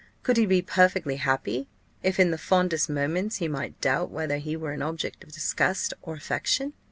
Could he be perfectly happy, if, in the fondest moments, he might doubt whether he were an object of disgust or affection?